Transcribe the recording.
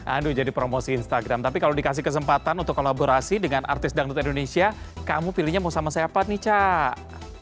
aduh jadi promosi instagram tapi kalau dikasih kesempatan untuk kolaborasi dengan artis dangdut indonesia kamu pilihnya mau sama siapa nih cak